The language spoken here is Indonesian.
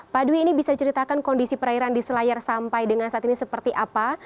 pak dwi ini bisa diceritakan kondisi perairan di selayar sampai dengan saat ini seperti apa